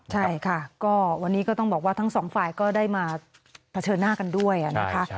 ใช่ค่ะก็วันนี้ก็ต้องบอกว่าทั้งสองฝ่ายก็ได้มาเผชิญหน้ากันด้วยนะคะ